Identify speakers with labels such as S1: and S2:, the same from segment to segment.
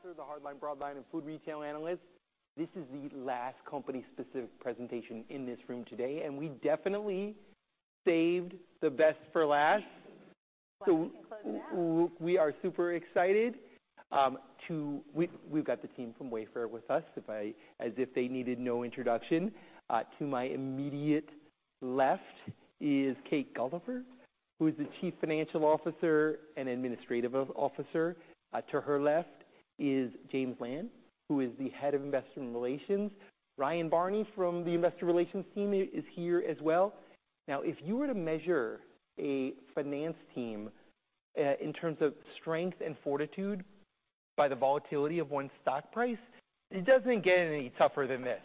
S1: Hi, I'm Lasser, the Hardline Broadline and Food Retail Analyst. This is the last company-specific presentation in this room today and we definitely saved the best for last.
S2: Well, I can close it out.
S1: So we are super excited to, we've got the team from Wayfair with us as if they needed no introduction. To my immediate left is Kate Gulliver, who is the Chief Financial Officer and Administrative Officer. To her left is James Lamb, who is the Head of Investor Relations. Ryan Barney from the Investor Relations team is here as well. Now, if you were to measure a finance team in terms of strength and fortitude by the volatility of one's stock price, it doesn't get any tougher than this.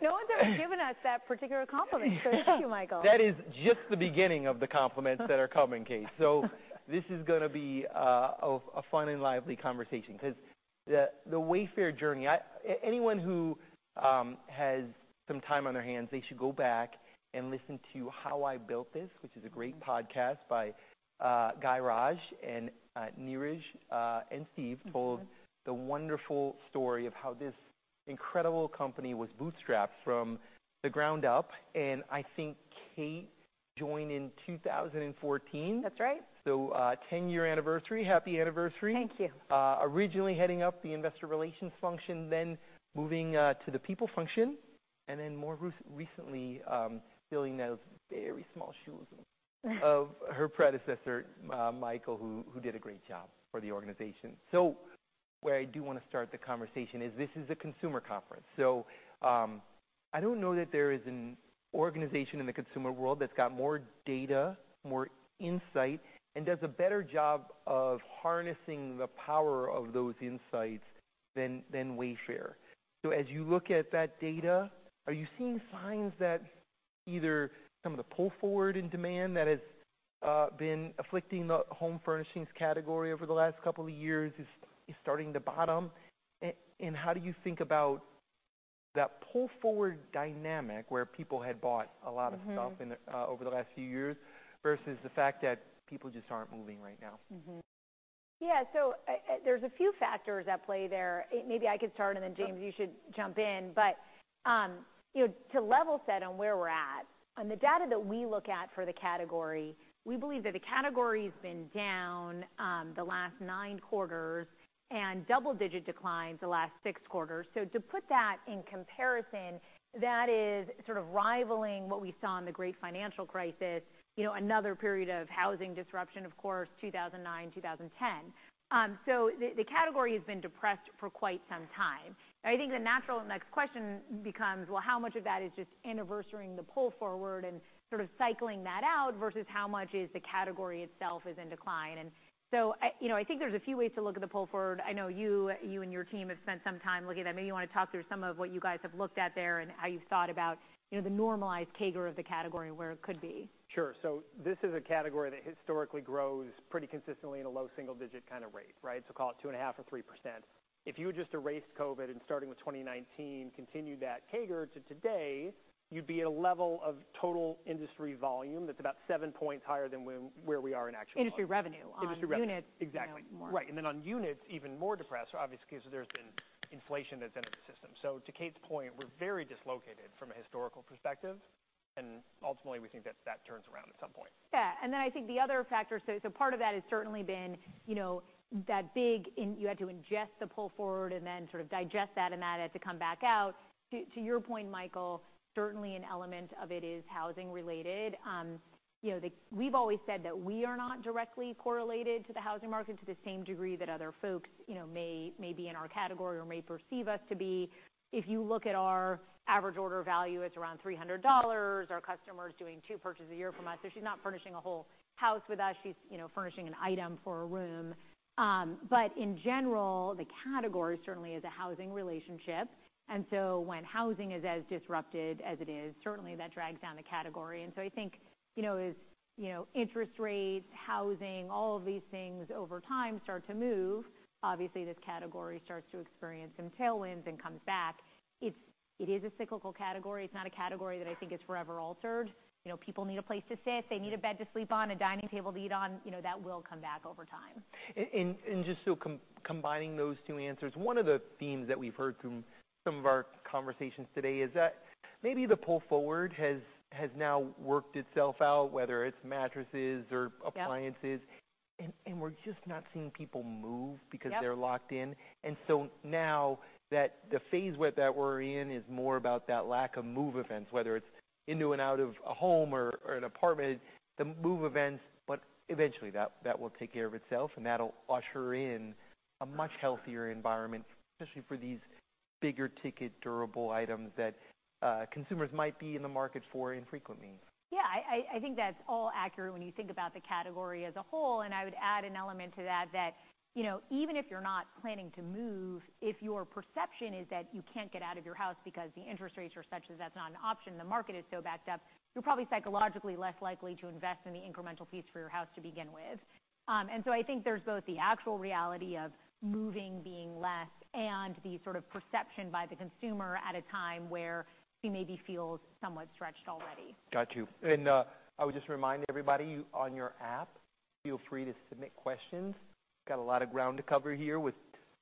S2: No one's ever given us that particular compliment. So thank you, Michael.
S1: That is just the beginning of the compliments that are coming, Kate. So this is gonna be a fun and lively conversation 'cause the Wayfair journey, anyone who has some time on their hands, they should go back and listen to How I Built This, which is a great podcast by Guy Raz and Niraj and Steve.
S2: Mm-hmm.
S1: Told the wonderful story of how this incredible company was bootstrapped from the ground up. I think Kate joined in 2014.
S2: That's right.
S1: 10-year anniversary. Happy anniversary.
S2: Thank you.
S1: Originally heading up the Investor Relations function, then moving to the People function, and then more recently, filling those very small shoes of her predecessor, Michael, who did a great job for the organization. So where I do wanna start the conversation is this is a consumer conference. So, I don't know that there is an organization in the consumer world that's got more data, more insight, and does a better job of harnessing the power of those insights than Wayfair. So as you look at that data, are you seeing signs that either some of the pull forward in demand that has been afflicting the home furnishings category over the last couple of years is starting to bottom? And how do you think about that pull forward dynamic where people had bought a lot of stuff.
S2: Mm-hmm.
S1: In the last few years versus the fact that people just aren't moving right now?
S2: Mm-hmm. Yeah. So there's a few factors at play there. I maybe could start and then James, you should jump in. But, you know, to level set on where we're at, on the data that we look at for the category, we believe that the category's been down, the last nine quarters and double-digit declines the last six quarters. So to put that in comparison, that is sort of rivaling what we saw in the Great Financial Crisis, you know, another period of housing disruption, of course, 2009, 2010. So the category has been depressed for quite some time. I think the natural next question becomes, well, how much of that is just anniversary in the pull forward and sort of cycling that out versus how much is the category itself is in decline? And so, you know, I think there's a few ways to look at the pull forward. I know you and your team have spent some time looking at that. Maybe you wanna talk through some of what you guys have looked at there and how you've thought about, you know, the normalized CAGR of the category and where it could be.
S3: Sure. So this is a category that historically grows pretty consistently at a low single-digit kinda rate, right? So call it 2.5% or 3%. If you had just erased COVID and starting with 2019 continued that CAGR to today, you'd be at a level of total industry volume that's about seven points higher than where we are in actual terms.
S2: Industry revenue.
S3: Industry revenue. Exactly.
S2: Units, you know, more.
S3: Right. And then on units, even more depressed, obviously, 'cause there's been inflation that's entered the system. So to Kate's point, we're very dislocated from a historical perspective. And ultimately, we think that that turns around at some point.
S2: Yeah. And then I think the other factor, so part of that has certainly been, you know, that big inventory you had to ingest the pull forward and then sort of digest that and that had to come back out. To your point, Michael, certainly an element of it is housing-related. You know, we've always said that we are not directly correlated to the housing market to the same degree that other folks, you know, may be in our category or may perceive us to be. If you look at our average order value, it's around $300. Our customer's doing two purchases a year from us. So she's not furnishing a whole house with us. She's, you know, furnishing an item for a room. But in general, the category certainly is a housing relationship. And so when housing is as disrupted as it is, certainly that drags down the category. And so I think, you know, as, you know, interest rates, housing, all of these things over time start to move, obviously, this category starts to experience some tailwinds and comes back. It is a cyclical category. It's not a category that I think is forever altered. You know, people need a place to sit. They need a bed to sleep on, a dining table to eat on. You know, that will come back over time.
S1: And just so, combining those two answers, one of the themes that we've heard through some of our conversations today is that maybe the pull forward has now worked itself out, whether it's mattresses or appliances.
S2: Yeah.
S1: We're just not seeing people move because they're locked in.
S2: Yeah.
S1: Now that the phase that we're in is more about that lack of move events, whether it's into and out of a home or an apartment, the move events, but eventually, that will take care of itself. That'll usher in a much healthier environment, especially for these bigger-ticket durable items that consumers might be in the market for infrequently.
S2: Yeah. I think that's all accurate when you think about the category as a whole. And I would add an element to that that, you know, even if you're not planning to move, if your perception is that you can't get out of your house because the interest rates are such that that's not an option, the market is so backed up, you're probably psychologically less likely to invest in the incremental piece for your house to begin with. And so I think there's both the actual reality of moving being less and the sort of perception by the consumer at a time where he maybe feels somewhat stretched already.
S1: Got you. And I would just remind everybody, on your app, feel free to submit questions. Got a lot of ground to cover here with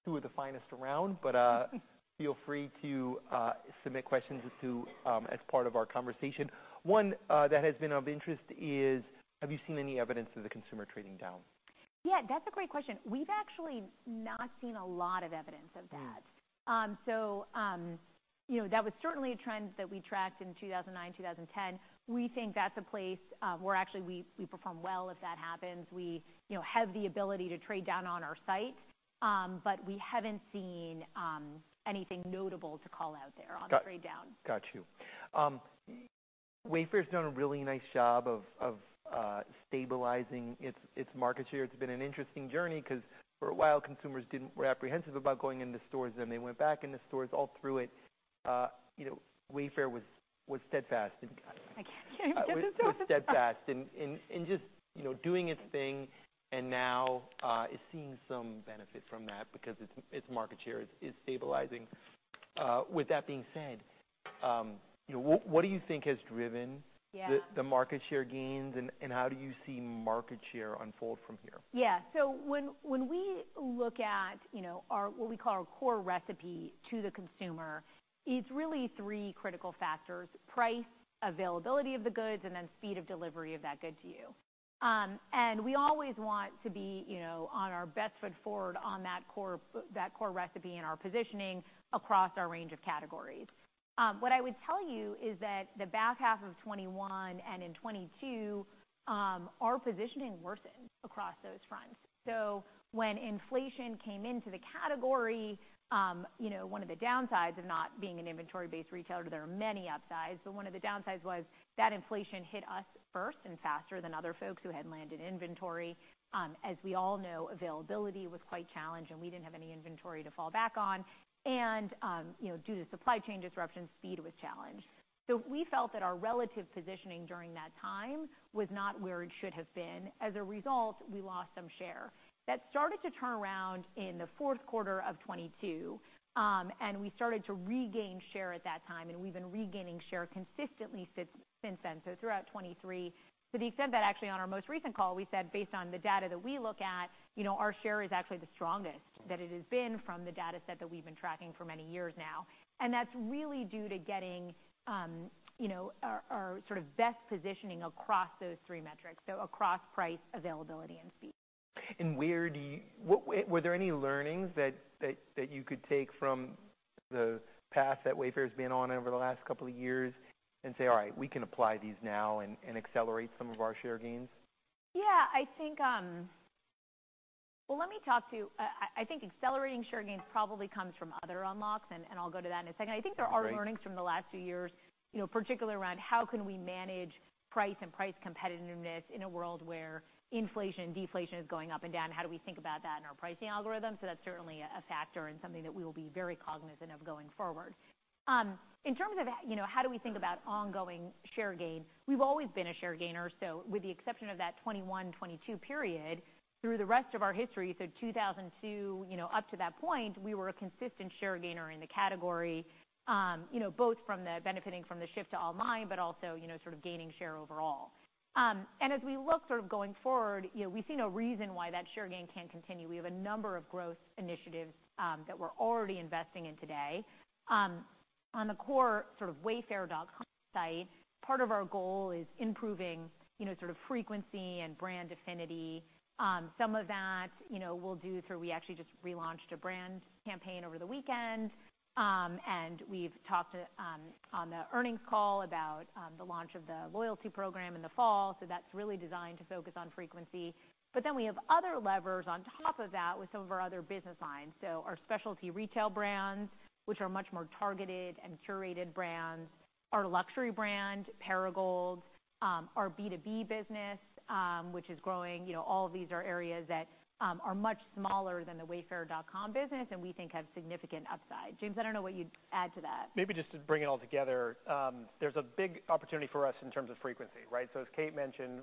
S1: two of the finest around. But feel free to submit questions to as part of our conversation. One that has been of interest is, have you seen any evidence of the consumer trading down?
S2: Yeah. That's a great question. We've actually not seen a lot of evidence of that. So, you know, that was certainly a trend that we tracked in 2009, 2010. We think that's a place where actually we perform well if that happens. We, you know, have the ability to trade down on our site. But we haven't seen anything notable to call out there on the trade down.
S1: Got you. Wayfair's done a really nice job of stabilizing its market share. It's been an interesting journey 'cause for a while, consumers were apprehensive about going into stores. Then they went back into stores. All through it, you know, Wayfair was steadfast.
S2: I can't hear you.
S1: It was steadfast in just, you know, doing its thing. Now is seeing some benefit from that because its market share is stabilizing. With that being said, you know, what do you think has driven.
S2: Yeah.
S1: The market share gains? And how do you see market share unfold from here?
S2: Yeah. So when we look at, you know, our what we call our core recipe to the consumer, it's really three critical factors: price, availability of the goods, and then speed of delivery of that good to you. We always want to be, you know, on our best foot forward on that core recipe in our positioning across our range of categories. What I would tell you is that the back half of 2021 and in 2022, our positioning worsened across those fronts. So when inflation came into the category, you know, one of the downsides of not being an inventory-based retailer, there are many upsides. But one of the downsides was that inflation hit us first and faster than other folks who had landed inventory. As we all know, availability was quite challenged. We didn't have any inventory to fall back on. You know, due to supply chain disruption, speed was challenged. So we felt that our relative positioning during that time was not where it should have been. As a result, we lost some share. That started to turn around in the fourth quarter of 2022. And we started to regain share at that time. And we've been regaining share consistently since then. So throughout 2023, to the extent that actually on our most recent call, we said based on the data that we look at, you know, our share is actually the strongest that it has been from the data set that we've been tracking for many years now. And that's really due to getting, you know, our sort of best positioning across those three metrics, so across price, availability, and speed.
S1: Were there any learnings that you could take from the path that Wayfair's been on over the last couple of years and say, "All right. We can apply these now and accelerate some of our share gains"?
S2: Yeah. I think, well, let me talk to I think accelerating share gains probably comes from other unlocks. And I'll go to that in a second. I think there are.
S1: Great.
S2: Learnings from the last few years, you know, particularly around how can we manage price and price competitiveness in a world where inflation and deflation is going up and down? How do we think about that in our pricing algorithms? So that's certainly a factor and something that we will be very cognizant of going forward. In terms of, you know, how do we think about ongoing share gain, we've always been a share gainer. So with the exception of that 2021, 2022 period, through the rest of our history, so 2002, you know, up to that point, we were a consistent share gainer in the category, you know, both from the benefiting from the shift to online but also, you know, sort of gaining share overall. And as we look sort of going forward, you know, we've seen a reason why that share gain can't continue. We have a number of growth initiatives that we're already investing in today. On the core sort of Wayfair.com site, part of our goal is improving, you know, sort of frequency and brand affinity. Some of that, you know, we'll do through we actually just relaunched a brand campaign over the weekend. And we've talked to, on the earnings call about, the launch of the loyalty program in the fall. So that's really designed to focus on frequency. But then we have other levers on top of that with some of our other business lines. So our Specialty Retail Brands, which are much more targeted and curated brands, our luxury brand, Perigold, our B2B business, which is growing. You know, all of these are areas that are much smaller than the Wayfair.com business and we think have significant upside. James, I don't know what you'd add to that.
S3: Maybe just to bring it all together, there's a big opportunity for us in terms of frequency, right? So as Kate mentioned,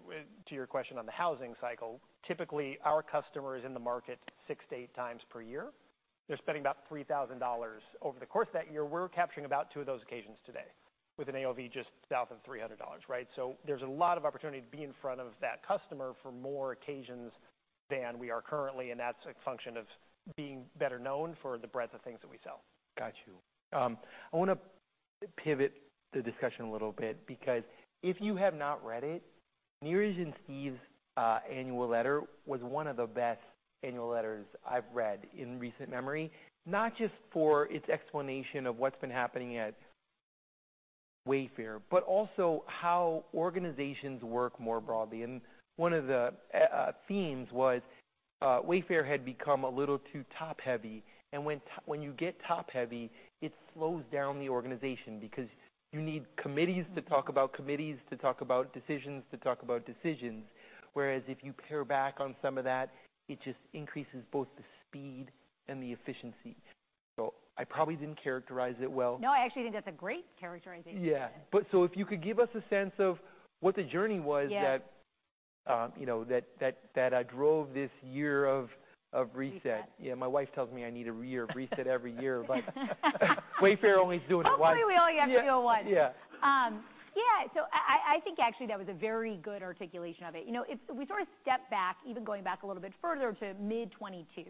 S3: to your question on the housing cycle, typically, our customer is in the market six to eight times per year. They're spending about $3,000. Over the course of that year, we're capturing about two of those occasions today with an AOV just south of $300, right? So there's a lot of opportunity to be in front of that customer for more occasions than we are currently. And that's a function of being better known for the breadth of things that we sell. Got you. I wanna pivot the discussion a little bit because if you have not read it, Niraj and Steve's annual letter was one of the best annual letters I've read in recent memory, not just for its explanation of what's been happening at Wayfair but also how organizations work more broadly. One of the themes was Wayfair had become a little too top-heavy. When you get top-heavy, it slows down the organization because you need committees to talk about committees to talk about decisions to talk about decisions. Whereas if you pare back on some of that, it just increases both the speed and the efficiency. I probably didn't characterize it well.
S2: No. I actually think that's a great characterization.
S1: Yeah. But so if you could give us a sense of what the journey was that.
S2: Yeah.
S1: You know, that drove this year of reset.
S2: Reset.
S1: Yeah. My wife tells me I need a year of reset every year. But Wayfair's only doing it once.
S2: Hopefully, we all get to do it once.
S1: Yeah.
S2: Yeah. So I think actually that was a very good articulation of it. You know, if we sort of step back, even going back a little bit further to mid-2022,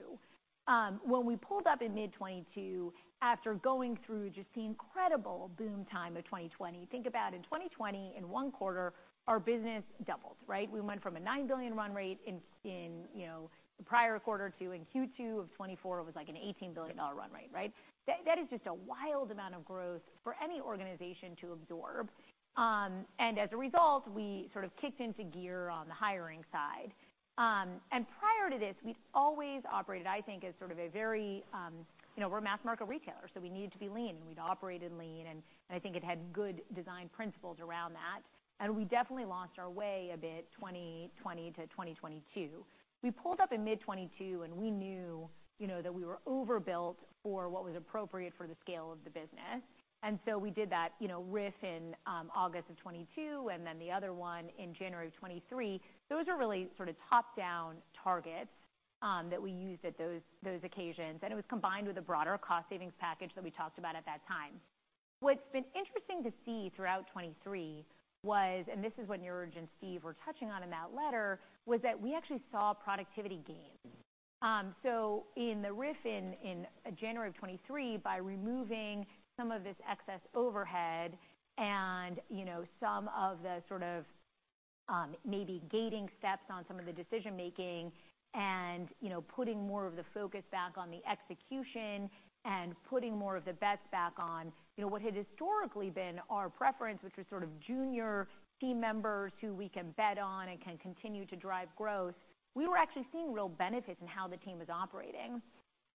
S2: when we pulled up in mid-2022 after going through just the incredible boom time of 2020, think about in 2020, in one quarter, our business doubled, right? We went from a $9 billion run rate in, you know, the prior quarter to in Q2 of 2020, it was like an $18 billion run rate, right? That is just a wild amount of growth for any organization to absorb. And as a result, we sort of kicked into gear on the hiring side. And prior to this, we'd always operated, I think, as sort of a very, you know, we're a mass market retailer. So we needed to be lean. And we'd operated lean. I think it had good design principles around that. We definitely lost our way a bit from 2020 to 2022. We pulled up in mid-2022, and we knew, you know, that we were overbuilt for what was appropriate for the scale of the business. And so we did that, you know, RIF in August of 2022. And then the other one in January of 2023. Those were really sort of top-down targets that we used at those occasions. And it was combined with a broader cost-savings package that we talked about at that time. What's been interesting to see throughout 2023 was—and this is what Niraj and Steve were touching on in that letter—was that we actually saw productivity gains. So in the RIF in January of 2023, by removing some of this excess overhead and, you know, some of the sort of, maybe gating steps on some of the decision-making and, you know, putting more of the focus back on the execution and putting more of the bets back on, you know, what had historically been our preference, which was sort of junior team members who we can bet on and can continue to drive growth, we were actually seeing real benefits in how the team was operating.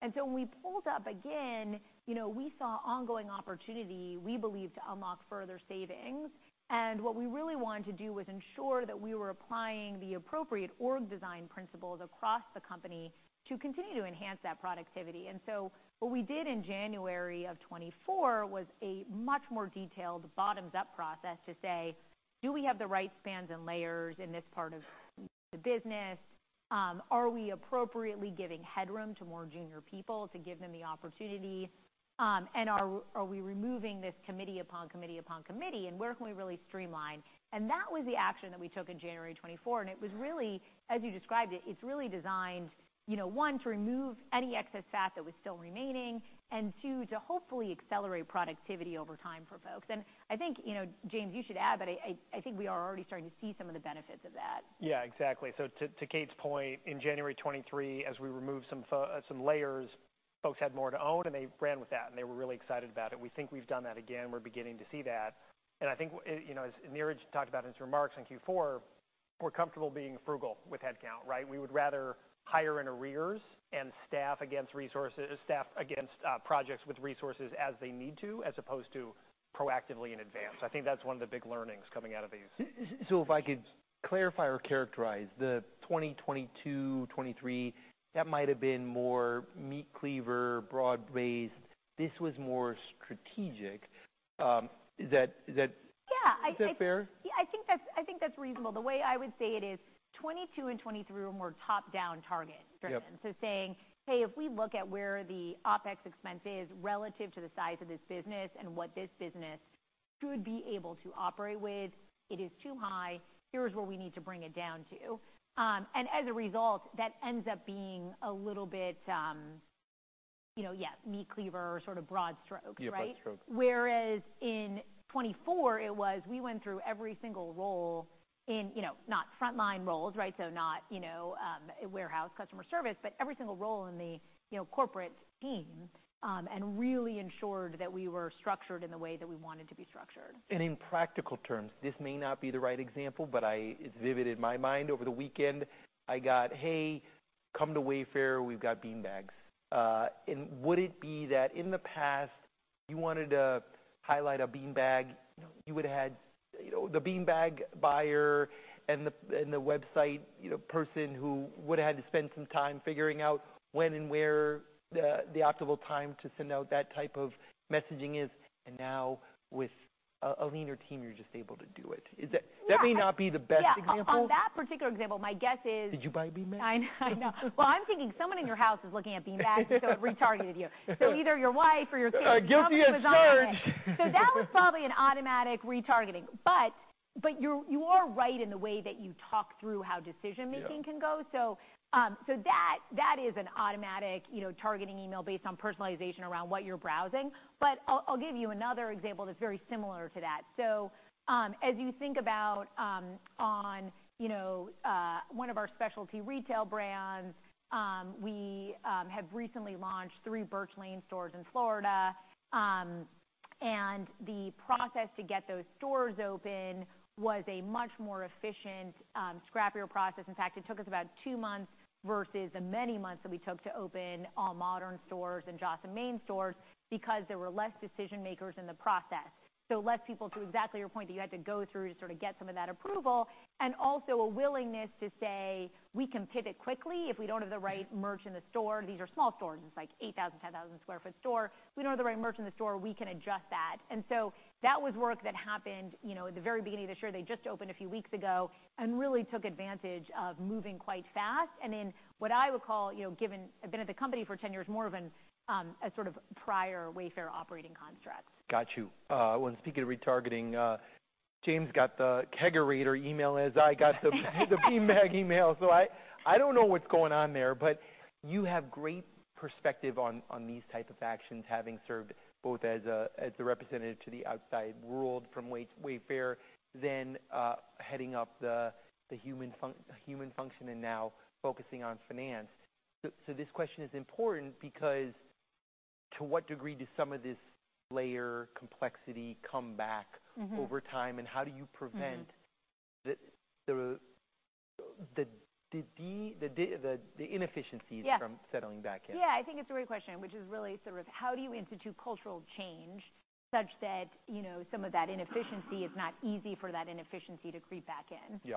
S2: And so when we pulled up again, you know, we saw ongoing opportunity, we believe, to unlock further savings. And what we really wanted to do was ensure that we were applying the appropriate org design principles across the company to continue to enhance that productivity. And so what we did in January of 2024 was a much more detailed bottoms-up process to say, do we have the right spans and layers in this part of the business? Are we appropriately giving headroom to more junior people to give them the opportunity? And are we removing this committee upon committee upon committee? And where can we really streamline? And that was the action that we took in January of 2024. And it was really, as you described it, it's really designed, you know, one, to remove any excess fat that was still remaining and, two, to hopefully accelerate productivity over time for folks. And I think, you know, James, you should add, but I think we are already starting to see some of the benefits of that.
S3: Yeah. Exactly. So to Kate's point, in January of 2023, as we removed some layers, folks had more to own. And they ran with that. And they were really excited about it. We think we've done that again. We're beginning to see that. And I think, you know, as Niraj talked about in his remarks in Q4, we're comfortable being frugal with headcount, right? We would rather hire interns and staff against resources staff against projects with resources as they need to as opposed to proactively in advance. I think that's one of the big learnings coming out of these.
S1: So if I could clarify or characterize the 2020, 2022, 2023, that might have been more meat cleaver, broad-based. This was more strategic. Is that fair?
S2: Yeah. I think that's reasonable. The way I would say it is 2022 and 2023 were more top-down target-driven. So saying, "Hey, if we look at where the OpEx expense is relative to the size of this business and what this business could be able to operate with, it is too high. Here's where we need to bring it down to." and as a result, that ends up being a little bit, you know, yeah, meat cleaver sort of broad stroke, right?
S1: Yeah. Broad stroke.
S2: Whereas in 2024, it was we went through every single role in, you know, not frontline roles, right? So not, you know, warehouse, customer service, but every single role in the, you know, corporate team, and really ensured that we were structured in the way that we wanted to be structured.
S1: In practical terms, this may not be the right example, but it's vivid in my mind. Over the weekend, I got, "Hey, come to Wayfair. We've got beanbags," and would it be that in the past, you wanted to highlight a beanbag, you would have had, you know, the beanbag buyer and the website person who would have had to spend some time figuring out when and where the optimal time to send out that type of messaging is. And now with a leaner team, you're just able to do it. Is that? May not be the best example.
S2: Yeah. On that particular example, my guess is.
S1: Did you buy a beanbag?
S2: I know. Well, I'm thinking someone in your house is looking at beanbags. So it retargeted you. So either your wife or your kids.
S1: Guilty as charged.
S2: So that was probably an automatic retargeting. But you are right in the way that you talk through how decision-making can go. So that is an automatic, you know, targeting email based on personalization around what you're browsing. But I'll give you another example that's very similar to that. So, as you think about, on, you know, one of our Specialty Retail Brands, we have recently launched three Birch Lane stores in Florida, and the process to get those stores open was a much more efficient, scrappier process. In fact, it took us about two months versus the many months that we took to open AllModern stores and Joss & Main stores because there were less decision-makers in the process. So less people to exactly your point that you had to go through to sort of get some of that approval and also a willingness to say, "We can pivot quickly if we don't have the right merch in the store." These are small stores. It's like 8,000 sq ft-10,000 sq ft store. If we don't have the right merch in the store, we can adjust that. And so that was work that happened, you know, at the very beginning of this year. They just opened a few weeks ago and really took advantage of moving quite fast. And then what I would call, you know, given I've been at the company for 10 years, more of a sort of prior Wayfair operating construct.
S1: Got you. And speaking of retargeting, James got the kegerator email as I got the beanbag email. So I don't know what's going on there. But you have great perspective on these types of actions, having served both as a representative to the outside world from Wayfair then, heading up the human function and now focusing on finance. So this question is important because to what degree does some of this layer complexity come back over time? And how do you prevent the inefficiencies from settling back in?
S2: Yeah. I think it's a great question, which is really sort of how do you institute cultural change such that, you know, some of that inefficiency is not easy for that inefficiency to creep back in?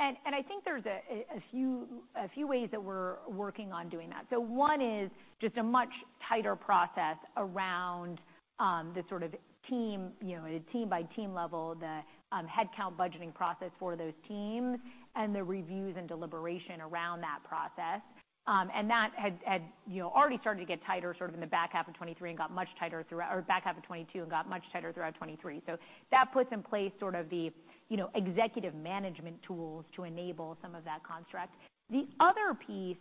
S1: Yep.
S2: I think there's a few ways that we're working on doing that. So one is just a much tighter process around the sort of team, you know, at a team-by-team level, the headcount budgeting process for those teams and the reviews and deliberation around that process. And that had, you know, already started to get tighter sort of in the back half of 2023 and got much tighter throughout or back half of 2022 and got much tighter throughout 2023. So that puts in place sort of the, you know, executive management tools to enable some of that construct. The other piece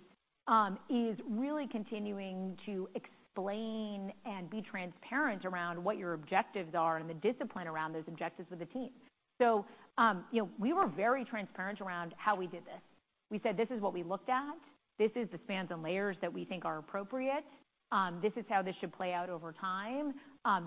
S2: is really continuing to explain and be transparent around what your objectives are and the discipline around those objectives with the team. So, you know, we were very transparent around how we did this. We said, "This is what we looked at. This is the spans and layers that we think are appropriate. This is how this should play out over time.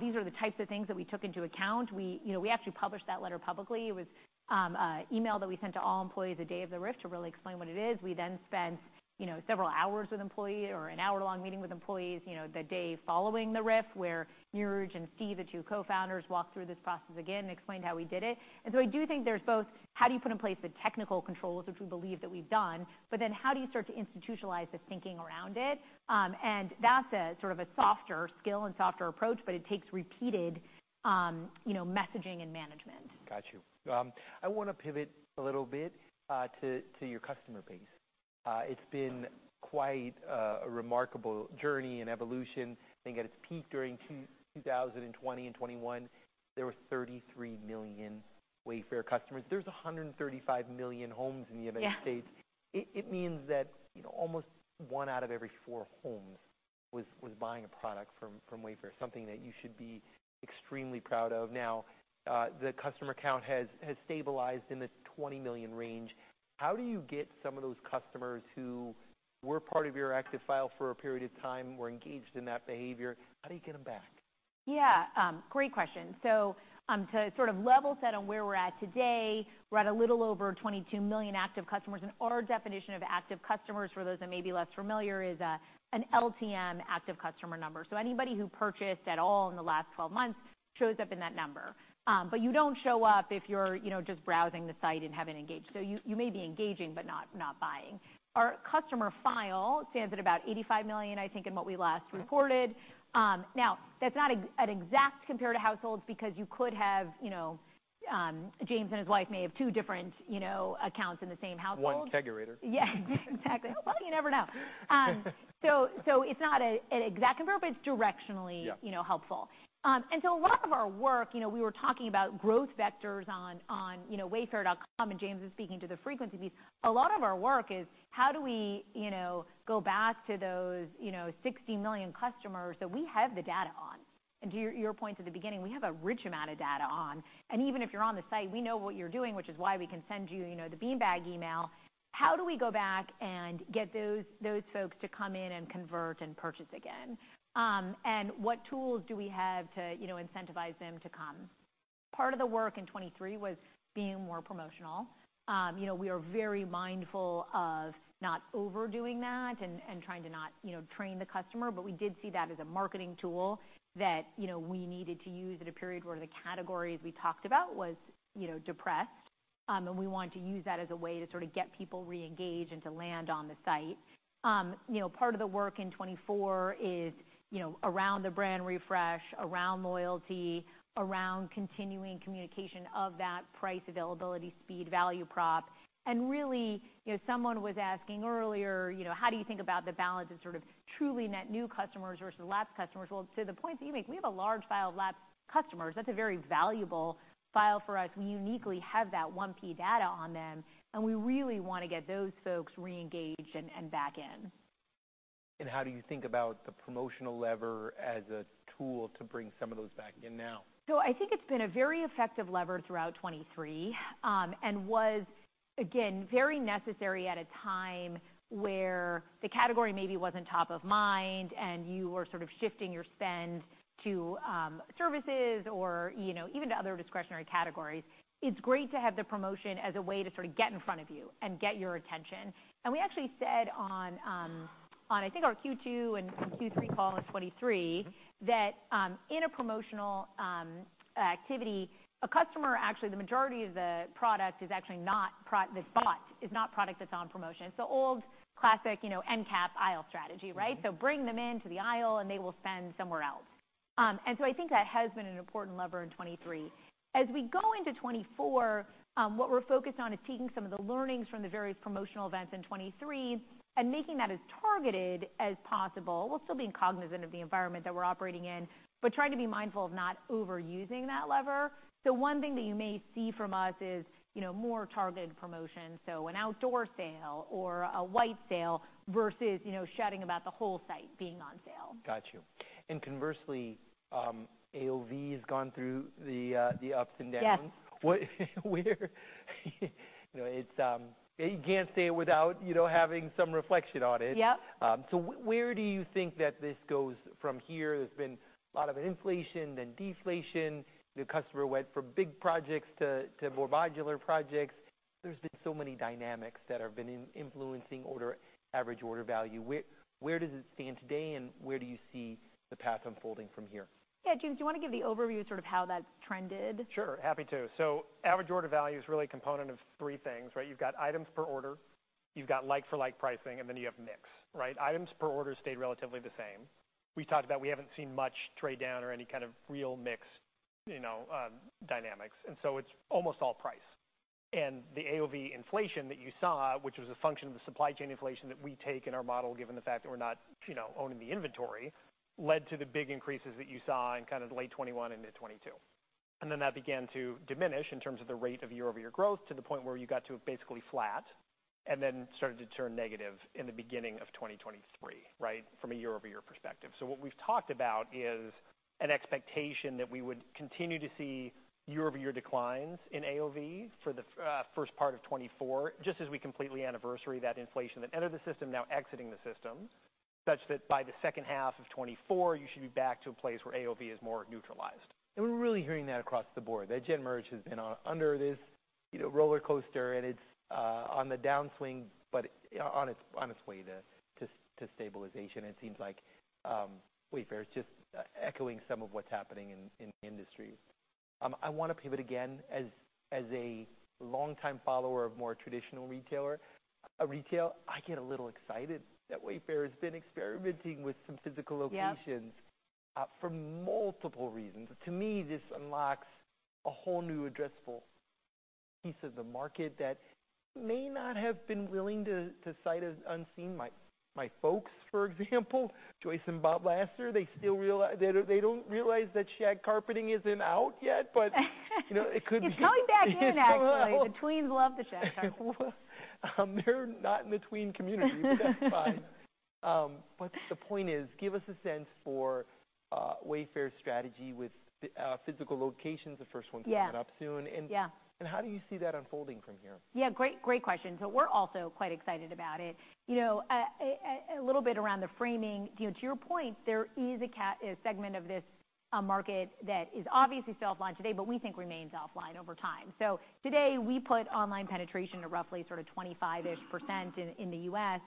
S2: These are the types of things that we took into account." We, you know, we actually published that letter publicly. It was an email that we sent to all employees the day of the RIF to really explain what it is. We then spent, you know, several hours with employees or an hour-long meeting with employees, you know, the day following the RIF where Niraj and Steve, the two co-founders, walked through this process again and explained how we did it. And so I do think there's both how do you put in place the technical controls, which we believe that we've done, but then how do you start to institutionalize the thinking around it? And that's sort of a softer skill and softer approach. But it takes repeated, you know, messaging and management.
S1: Got you. I wanna pivot a little bit to your customer base. It's been quite a remarkable journey and evolution. I think at its peak during 2020 and 2021, there were 33 million Wayfair customers. There's 135 million homes in the United States. It means that, you know, almost one out of every four homes was buying a product from Wayfair, something that you should be extremely proud of. Now, the customer count has stabilized in the 20 million range. How do you get some of those customers who were part of your active file for a period of time, were engaged in that behavior? How do you get them back?
S2: Yeah. Great question. So, to sort of level set on where we're at today, we're at a little over 22 million active customers. And our definition of active customers, for those that may be less familiar, is an LTM active customer number. So anybody who purchased at all in the last 12 months shows up in that number. But you don't show up if you're, you know, just browsing the site and haven't engaged. So you may be engaging but not buying. Our customer file stands at about 85 million, I think, in what we last reported. Now, that's not an exact compare to households because you could have, you know, James and his wife may have two different, you know, accounts in the same household.
S1: One Kegerator.
S2: Yes. Exactly. Well, you never know. So it's not an exact compare, but it's directionally, you know, helpful. And so a lot of our work, you know, we were talking about growth vectors on, you know, Wayfair.com. And James is speaking to the frequency piece. A lot of our work is how do we, you know, go back to those, you know, 60 million customers that we have the data on? And to your point at the beginning, we have a rich amount of data on. And even if you're on the site, we know what you're doing, which is why we can send you, you know, the beanbag email. How do we go back and get those folks to come in and convert and purchase again? And what tools do we have to, you know, incentivize them to come? Part of the work in 2023 was being more promotional. You know, we are very mindful of not overdoing that and trying to not, you know, train the customer. But we did see that as a marketing tool that, you know, we needed to use at a period where the categories we talked about was, you know, depressed. And we wanted to use that as a way to sort of get people reengaged and to land on the site. You know, part of the work in 2024 is, you know, around the brand refresh, around loyalty, around continuing communication of that price, availability, speed, value prop. And really, you know, someone was asking earlier, you know, how do you think about the balance of sort of truly net new customers versus lapsed customers? Well, to the point that you make, we have a large file of lapsed customers. That's a very valuable file for us. We uniquely have that 1P data on them. We really want to get those folks reengaged and back in.
S1: How do you think about the promotional lever as a tool to bring some of those back in now?
S2: So I think it's been a very effective lever throughout 2023, and was, again, very necessary at a time where the category maybe wasn't top of mind and you were sort of shifting your spend to services or, you know, even to other discretionary categories. It's great to have the promotion as a way to sort of get in front of you and get your attention. And we actually said on, I think, our Q2 and Q3 call in 2023 that, in a promotional activity, a customer actually, the majority of the product is actually not that's bought is not product that's on promotion. It's the old classic, you know, end cap aisle strategy, right? So bring them into the aisle, and they will spend somewhere else. And so I think that has been an important lever in 2023. As we go into 2024, what we're focused on is taking some of the learnings from the various promotional events in 2023 and making that as targeted as possible. We'll still be incognizant of the environment that we're operating in but trying to be mindful of not overusing that lever. So one thing that you may see from us is, you know, more targeted promotion. So an outdoor sale or a white sale versus, you know, chatting about the whole site being on sale.
S1: Got you. Conversely, AOV has gone through the ups and downs.
S2: Yes.
S1: Where you know, it's, you can't say it without, you know, having some reflection on it.
S2: Yep.
S1: Where do you think that this goes from here? There's been a lot of inflation and deflation. The customer went from big projects to more modular projects. There's been so many dynamics that have been influencing average order value. Where does it stand today, and where do you see the path unfolding from here?
S2: Yeah. James, do you want to give the overview of sort of how that trended?
S3: Sure. Happy to. So average order value is really a component of three things, right? You've got items per order. You've got like-for-like pricing. And then you have mix, right? Items per order stayed relatively the same. We've talked about we haven't seen much trade down or any kind of real mix, you know, dynamics. And so it's almost all price. And the AOV inflation that you saw, which was a function of the supply chain inflation that we take in our model given the fact that we're not, you know, owning the inventory, led to the big increases that you saw in kind of late 2021 into 2022. And then that began to diminish in terms of the rate of year-over-year growth to the point where you got to basically flat and then started to turn negative in the beginning of 2023, right, from a year-over-year perspective. So what we've talked about is an expectation that we would continue to see year-over-year declines in AOV for the first part of 2024 just as we completely anniversary that inflation that entered the system, now exiting the system such that by the second half of 2024, you should be back to a place where AOV is more neutralized.
S1: We're really hearing that across the board. That the merger has been under this, you know, roller coaster. And it's on the downswing but on its way to stabilization. It seems like Wayfair is just echoing some of what's happening in the industry. I want to pivot again. As a longtime follower of more traditional retailer, I get a little excited that Wayfair has been experimenting with some physical locations for multiple reasons. To me, this unlocks a whole new addressable piece of the market that may not have been willing to buy sight unseen. My folks, for example, Joyce and Bob Lasser, they still don't realize that shag carpeting isn't out yet. But, you know, it could be.
S2: It's coming back in, actually. The tweens love the shag carpet.
S1: They're not in the tween community, but that's fine. The point is, give us a sense for Wayfair's strategy with physical locations, the first one coming up soon. How do you see that unfolding from here?
S2: Yeah. Great question. So we're also quite excited about it. You know, a little bit around the framing, to your point, there is a segment of this market that is obviously still offline today but we think remains offline over time. So today, we put online penetration at roughly sort of 25%-ish in the U.S.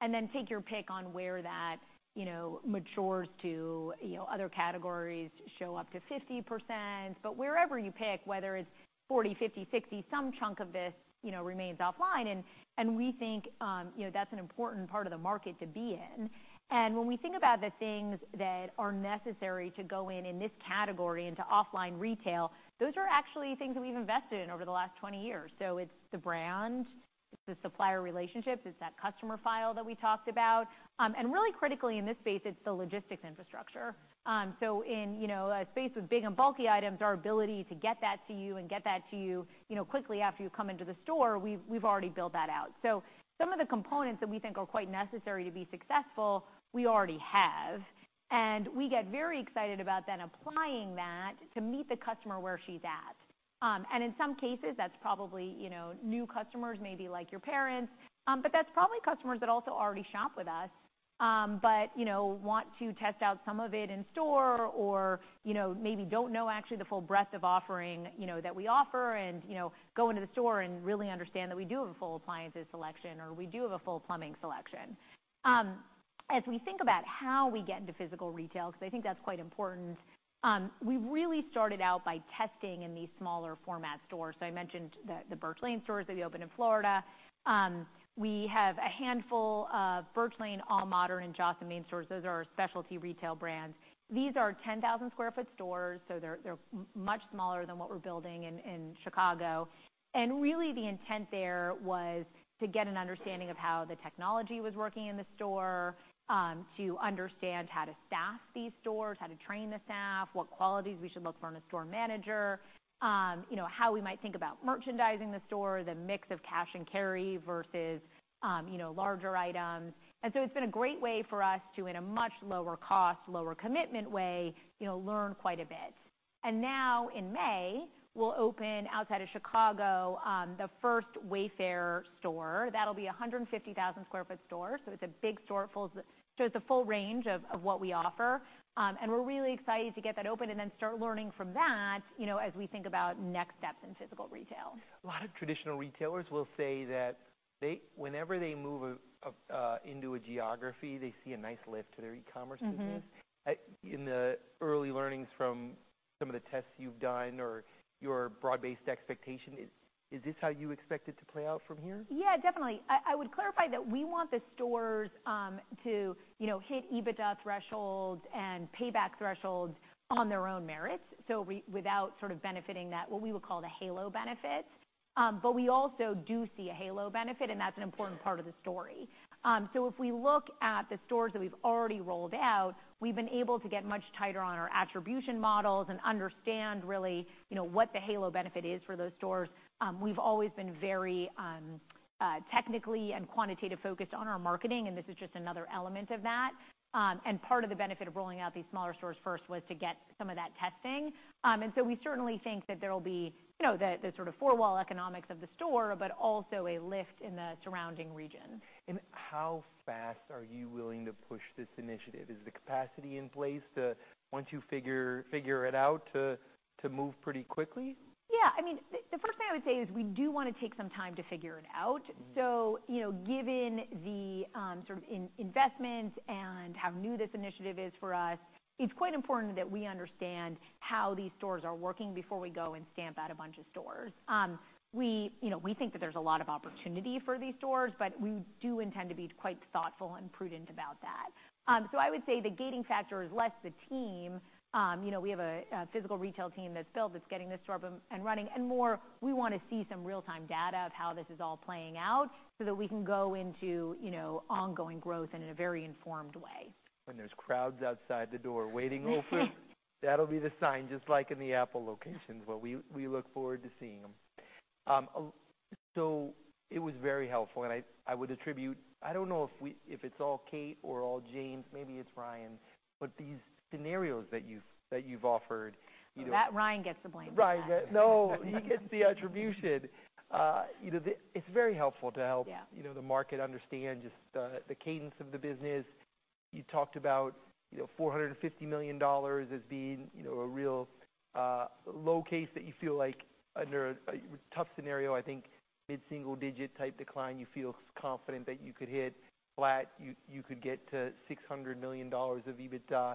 S2: And then take your pick on where that, you know, matures to. You know, other categories show up to 50%. But wherever you pick, whether it's 40%, 50%, 60%, some chunk of this, you know, remains offline. And we think, you know, that's an important part of the market to be in. And when we think about the things that are necessary to go in in this category into offline retail, those are actually things that we've invested in over the last 20 years. So it's the brand. It's the supplier relationships. It's that customer file that we talked about. And really critically in this space, it's the logistics infrastructure. So in, you know, a space with big and bulky items, our ability to get that to you and get that to you, you know, quickly after you come into the store, we've already built that out. So some of the components that we think are quite necessary to be successful, we already have. And we get very excited about then applying that to meet the customer where she's at. And in some cases, that's probably, you know, new customers, maybe like your parents. But that's probably customers that also already shop with us but, you know, want to test out some of it in store or, you know, maybe don't know actually the full breadth of offering, you know, that we offer and, you know, go into the store and really understand that we do have a full appliances selection or we do have a full plumbing selection. As we think about how we get into physical retail, because I think that's quite important, we really started out by testing in these smaller format stores. So I mentioned the Birch Lane stores that we opened in Florida. We have a handful of Birch Lane, AllModern, and Joss & Main stores. Those are our Specialty Retail Brands. These are 10,000 sq ft stores. So they're much smaller than what we're building in Chicago. And really, the intent there was to get an understanding of how the technology was working in the store, to understand how to staff these stores, how to train the staff, what qualities we should look for in a store manager, you know, how we might think about merchandising the store, the mix of cash and carry versus, you know, larger items. And so it's been a great way for us to, in a much lower cost, lower commitment way, you know, learn quite a bit. And now in May, we'll open outside of Chicago the first Wayfair store. That'll be a 150,000 sq ft store. So it's a big store. It shows the full range of what we offer. And we're really excited to get that open and then start learning from that, you know, as we think about next steps in physical retail.
S1: A lot of traditional retailers will say that whenever they move into a geography, they see a nice lift to their e-commerce business. In the early learnings from some of the tests you've done or your broad-based expectation, is this how you expect it to play out from here?
S2: Yeah. Definitely. I would clarify that we want the stores to, you know, hit EBITDA thresholds and payback thresholds on their own merits without sort of benefiting that what we would call the halo benefit. But we also do see a halo benefit. And that's an important part of the story. So if we look at the stores that we've already rolled out, we've been able to get much tighter on our attribution models and understand really, you know, what the halo benefit is for those stores. We've always been very technically and quantitative focused on our marketing. And this is just another element of that. And part of the benefit of rolling out these smaller stores first was to get some of that testing. And so we certainly think that there'll be, you know, the sort of four-wall economics of the store but also a lift in the surrounding region.
S1: How fast are you willing to push this initiative? Is the capacity in place to, once you figure it out, to move pretty quickly?
S2: Yeah. I mean, the first thing I would say is we do want to take some time to figure it out. So, you know, given the sort of investments and how new this initiative is for us, it's quite important that we understand how these stores are working before we go and stamp out a bunch of stores. We, you know, think that there's a lot of opportunity for these stores. But we do intend to be quite thoughtful and prudent about that. So I would say the gating factor is less the team. You know, we have a physical retail team that's built that's getting this store up and running and more, we want to see some real-time data of how this is all playing out so that we can go into, you know, ongoing growth and in a very informed way.
S1: When there's crowds outside the door waiting open, that'll be the sign just like in the Apple locations. Well, we look forward to seeing them. So it was very helpful. And I would attribute—I don't know if it's all Kate or all James. Maybe it's Ryan. But these scenarios that you've offered, you know.
S2: That Ryan gets the blame for that.
S1: Ryan. No. He gets the attribution. You know, it's very helpful to help, you know, the market understand just the cadence of the business. You talked about, you know, $450 million as being, you know, a real low case that you feel like under a tough scenario, I think mid-single digit type decline, you feel confident that you could hit flat. You could get to $600 million of EBITDA.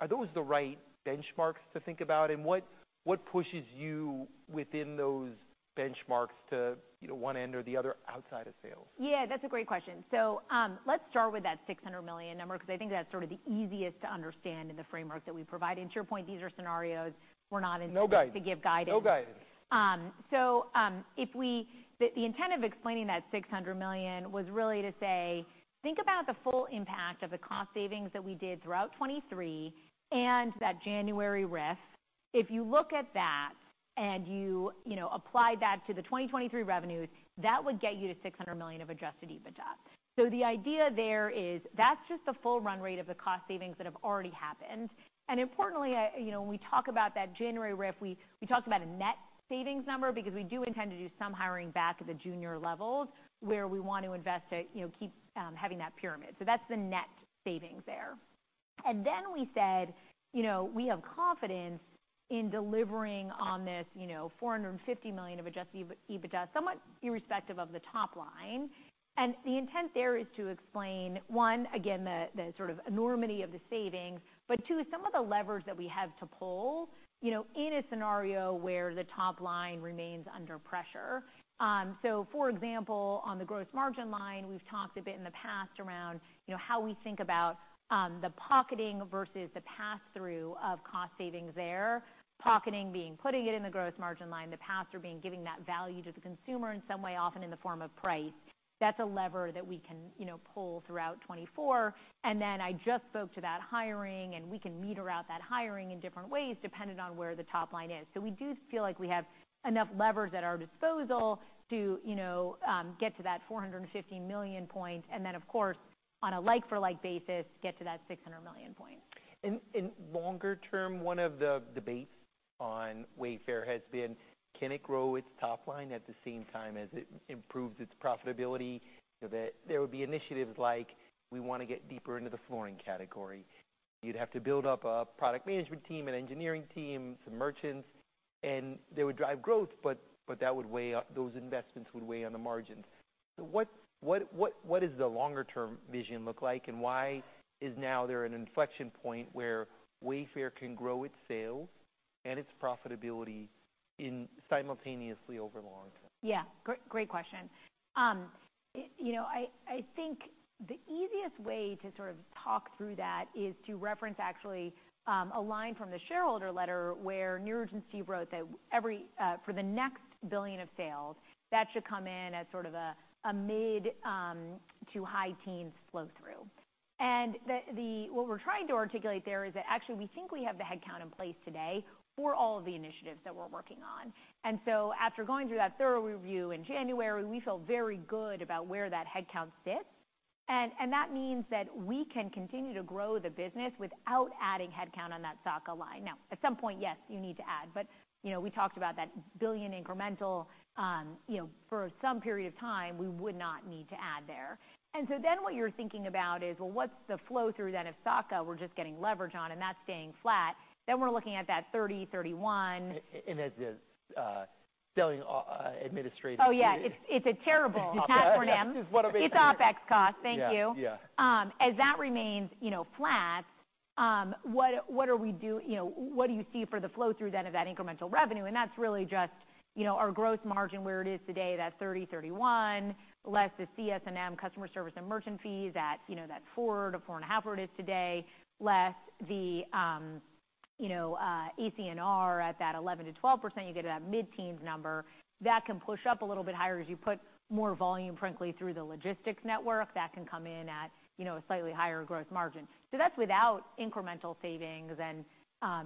S1: Are those the right benchmarks to think about? And what pushes you within those benchmarks to, you know, one end or the other outside of sales?
S2: Yeah. That's a great question. So let's start with that $600 million number because I think that's sort of the easiest to understand in the framework that we provide. And to your point, these are scenarios. We're not in space to give guidance.
S1: No guidance.
S2: So the intent of explaining that $600 million was really to say, think about the full impact of the cost savings that we did throughout 2023 and that January RIF. If you look at that and you, you know, apply that to the 2023 revenues, that would get you to $600 million of Adjusted EBITDA. So the idea there is that's just the full run rate of the cost savings that have already happened. And importantly, you know, when we talk about that January RIF, we talked about a net savings number because we do intend to do some hiring back at the junior levels where we want to invest to, you know, keep having that pyramid. So that's the net savings there. Then we said, you know, we have confidence in delivering on this, you know, $450 million of adjusted EBITDA somewhat irrespective of the top line. The intent there is to explain, one, again, the sort of enormity of the savings. But two, some of the leverage that we have to pull, you know, in a scenario where the top line remains under pressure. For example, on the gross margin line, we've talked a bit in the past around, you know, how we think about the pocketing versus the pass-through of cost savings there. Pocketing being putting it in the gross margin line. The pass-through being giving that value to the consumer in some way, often in the form of price. That's a lever that we can, you know, pull throughout 2024. Then I just spoke to that hiring. We can meter out that hiring in different ways depending on where the top line is. We do feel like we have enough levers at our disposal to, you know, get to that $450 million point. Then, of course, on a like-for-like basis, get to that $600 million point.
S1: In the longer term, one of the debates on Wayfair has been, can it grow its top line at the same time as it improves its profitability? There would be initiatives like, we want to get deeper into the flooring category. You'd have to build up a product management team, an engineering team, some merchants. And they would drive growth. But those investments would weigh on the margins. So what does the longer-term vision look like? And why is now there an inflection point where Wayfair can grow its sales and its profitability simultaneously over the long term?
S2: Yeah. Great question. You know, I think the easiest way to sort of talk through that is to reference actually a line from the shareholder letter where Niraj wrote that for the next $1 billion of sales, that should come in as sort of a mid to high teens flow-through. And what we're trying to articulate there is that actually, we think we have the headcount in place today for all of the initiatives that we're working on. And so after going through that thorough review in January, we feel very good about where that headcount sits. And that means that we can continue to grow the business without adding headcount on that SOTG&A line. Now, at some point, yes, you need to add. But, you know, we talked about that $1 billion incremental. You know, for some period of time, we would not need to add there. And so then what you're thinking about is, well, what's the flow-through then of SOTG&A we're just getting leverage on and that's staying flat? Then we're looking at that 30-31.
S1: That's the selling administrative.
S2: Oh, yeah. It's a terrible acronym. It's OpEx cost. Thank you. As that remains, you know, flat, what are we doing? You know, what do you see for the flow-through then of that incremental revenue? And that's really just, you know, our gross margin where it is today, that 30%-31%, less the CS&M, customer service, and merchant fees at, you know, that 4%-4.5% where it is today, less the, you know, AC&R at that 11%-12%. You get to that mid-teens number. That can push up a little bit higher as you put more volume, frankly, through the logistics network. That can come in at, you know, a slightly higher gross margin. So that's without incremental savings. And,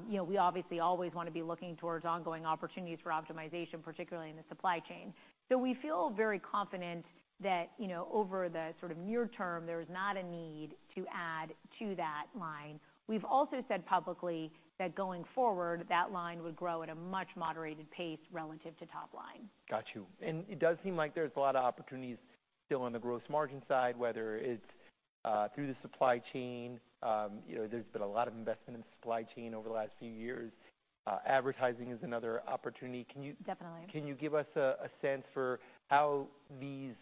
S2: you know, we obviously always want to be looking towards ongoing opportunities for optimization, particularly in the supply chain. So we feel very confident that, you know, over the sort of near term, there is not a need to add to that line. We've also said publicly that going forward, that line would grow at a much moderated pace relative to top line.
S1: Got you. It does seem like there's a lot of opportunities still on the gross margin side, whether it's through the supply chain. You know, there's been a lot of investment in the supply chain over the last few years. Advertising is another opportunity.
S2: Definitely.
S1: Can you give us a sense for how these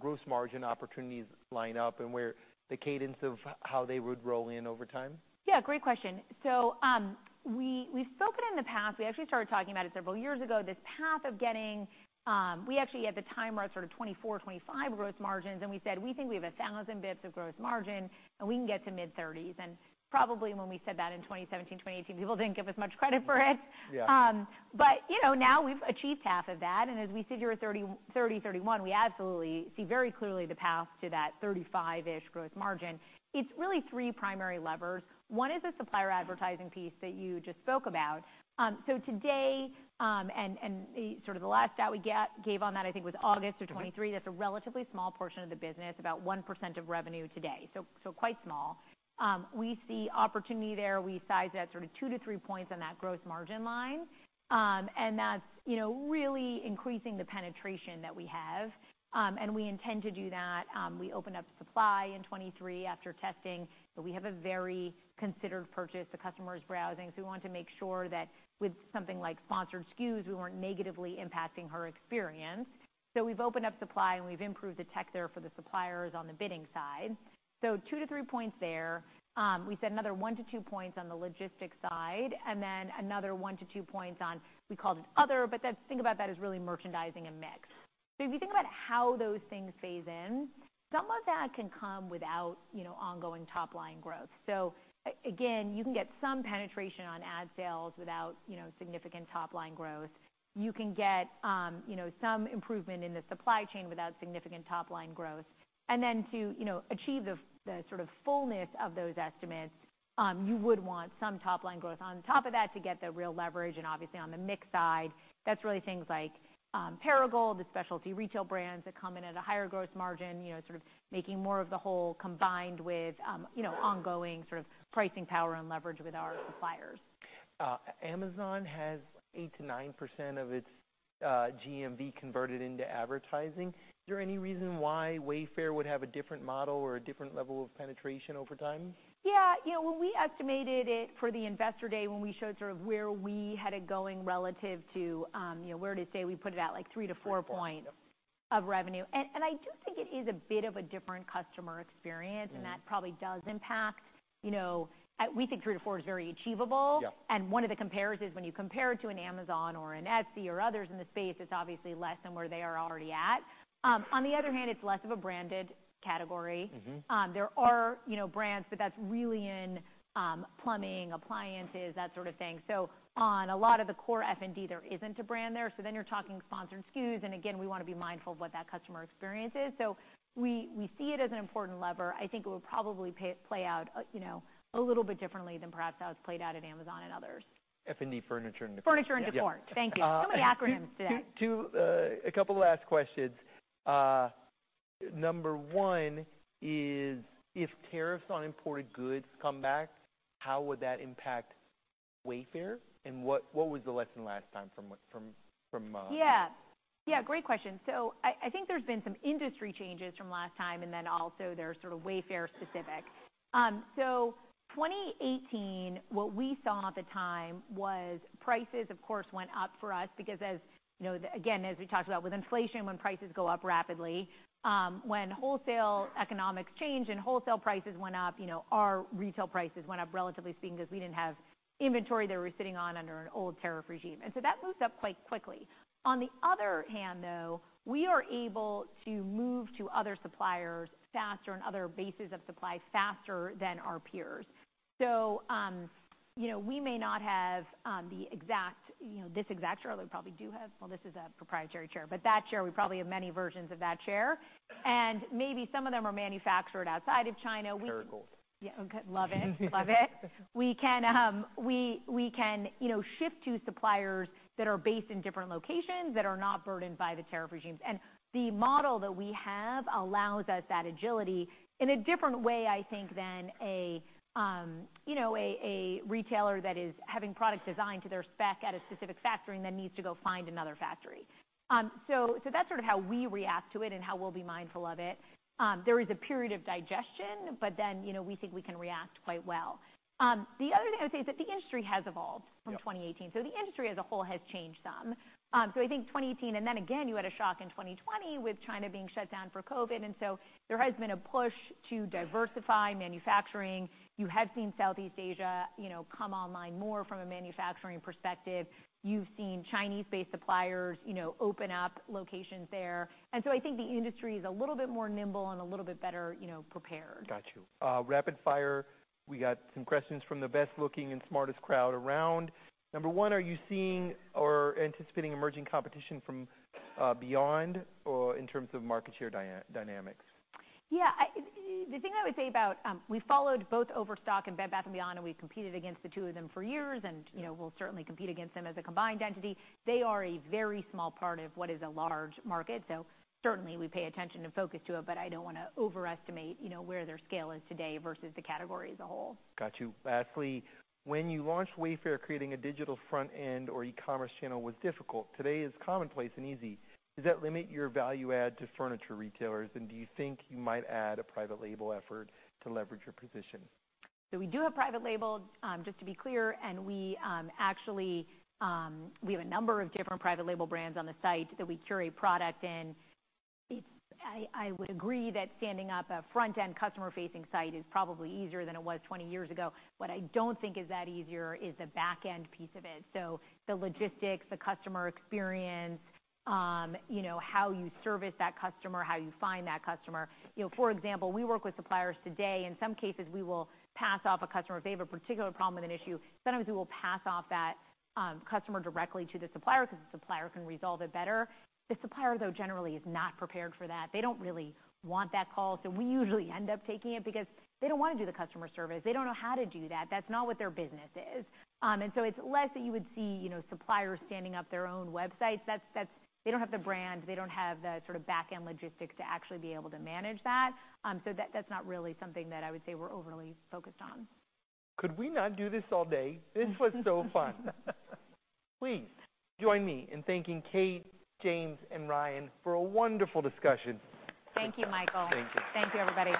S1: gross margin opportunities line up and where the cadence of how they would roll in over time?
S2: Yeah. Great question. So we've spoken in the past, we actually started talking about it several years ago, this path of getting we actually had the time where I sort of 24-25 gross margins. And we said, we think we have 1,000 basis points of gross margin. And we can get to mid-30s. And probably when we said that in 2017, 2018, people didn't give us much credit for it. But, you know, now we've achieved half of that. And as we sit here at 30-31, we absolutely see very clearly the path to that 35%-ish gross margin. It's really three primary levers. One is the supplier advertising piece that you just spoke about. So today, and sort of the last out we gave on that, I think, was August of 2023. That's a relatively small portion of the business, about 1% of revenue today. So quite small. We see opportunity there. We size that sort of two to three points on that gross margin line. And that's, you know, really increasing the penetration that we have. And we intend to do that. We opened up supply in 2023 after testing. But we have a very considered purchase. The customer is browsing. So we want to make sure that with something like sponsored SKUs, we weren't negatively impacting her experience. So we've opened up supply. And we've improved the tech there for the suppliers on the bidding side. So two to three points there. We said another one to two points on the logistics side. And then another one to two points on we called it other. But think about that as really merchandising and mix. So if you think about how those things phase in, some of that can come without, you know, ongoing top line growth. So again, you can get some penetration on ad sales without, you know, significant top line growth. You can get, you know, some improvement in the supply chain without significant top line growth. And then to, you know, achieve the sort of fullness of those estimates, you would want some top line growth on top of that to get the real leverage. And obviously, on the mix side, that's really things like Perigold, the Specialty Retail Brands that come in at a higher gross margin, you know, sort of making more of the whole combined with, you know, ongoing sort of pricing power and leverage with our suppliers.
S1: Amazon has 8%-9% of its GMV converted into advertising. Is there any reason why Wayfair would have a different model or a different level of penetration over time?
S2: Yeah. You know, when we estimated it for the Investor Day, when we showed sort of where we had it going relative to, you know, where it is today, we put it at like three to four points of revenue. And I do think it is a bit of a different customer experience. And that probably does impact, you know we think three to four is very achievable. And one of the compares is when you compare it to an Amazon or an Etsy or others in the space, it's obviously less than where they are already at. On the other hand, it's less of a branded category. There are, you know, brands. But that's really in plumbing, appliances, that sort of thing. So on a lot of the core F&D, there isn't a brand there. So then you're talking sponsored SKUs. Again, we want to be mindful of what that customer experience is. We see it as an important lever. I think it would probably play out, you know, a little bit differently than perhaps how it's played out at Amazon and others.
S1: F&D, furniture, and decor.
S2: Furniture and decor. Thank you. So many acronyms today.
S1: A couple of last questions. Number one is, if tariffs on imported goods come back, how would that impact Wayfair? And what was the lesson last time from?
S2: Yeah. Yeah. Great question. So I think there's been some industry changes from last time. And then also, they're sort of Wayfair specific. So 2018, what we saw at the time was prices, of course, went up for us because, as you know, again, as we talked about with inflation, when prices go up rapidly, when wholesale economics change and wholesale prices went up, you know, our retail prices went up relatively speaking because we didn't have inventory that we were sitting on under an old tariff regime. And so that moves up quite quickly. On the other hand, though, we are able to move to other suppliers faster and other bases of supply faster than our peers. So, you know, we may not have the exact you know, this exact chair, although we probably do have well, this is a proprietary chair. But that chair, we probably have many versions of that chair. Maybe some of them are manufactured outside of China.
S1: Perigold.
S2: Yeah. Love it. Love it. We can, you know, shift to suppliers that are based in different locations that are not burdened by the tariff regimes. And the model that we have allows us that agility in a different way, I think, than a, you know, a retailer that is having product designed to their spec at a specific factory and then needs to go find another factory. So that's sort of how we react to it and how we'll be mindful of it. There is a period of digestion. But then, you know, we think we can react quite well. The other thing I would say is that the industry has evolved from 2018. So the industry as a whole has changed some. So I think 2018 and then again, you had a shock in 2020 with China being shut down for COVID. And so there has been a push to diversify manufacturing. You have seen Southeast Asia, you know, come online more from a manufacturing perspective. You've seen Chinese-based suppliers, you know, open up locations there. And so I think the industry is a little bit more nimble and a little bit better, you know, prepared.
S1: Got you. Rapid fire. We got some questions from the best-looking and smartest crowd around. Number one, are you seeing or anticipating emerging competition from Bed Bath & Beyond in terms of market share dynamics?
S2: Yeah. The thing I would say about we followed both Overstock and Bed Bath & Beyond. We've competed against the two of them for years. You know, we'll certainly compete against them as a combined entity. They are a very small part of what is a large market. Certainly, we pay attention and focus to it. I don't want to overestimate, you know, where their scale is today versus the category as a whole.
S1: Got you. Ashley, when you launched Wayfair, creating a digital front end or e-commerce channel was difficult. Today is commonplace and easy. Does that limit your value add to furniture retailers? And do you think you might add a private label effort to leverage your position?
S2: So we do have private label, just to be clear. We actually have a number of different private label brands on the site that we curate product in. I would agree that standing up a front end customer-facing site is probably easier than it was 20 years ago. What I don't think is that easier is the back end piece of it. So the logistics, the customer experience, you know, how you service that customer, how you find that customer. You know, for example, we work with suppliers today. In some cases, we will pass off a customer. If they have a particular problem with an issue, sometimes we will pass off that customer directly to the supplier because the supplier can resolve it better. The supplier, though, generally is not prepared for that. They don't really want that call. So we usually end up taking it because they don't want to do the customer service. They don't know how to do that. That's not what their business is. So it's less that you would see, you know, suppliers standing up their own websites. They don't have the brand. They don't have the sort of back end logistics to actually be able to manage that. So that's not really something that I would say we're overly focused on.
S1: Could we not do this all day? This was so fun. Please join me in thanking Kate, James, and Ryan for a wonderful discussion.
S2: Thank you, Michael.
S1: Thank you.
S2: Thank you, everybody.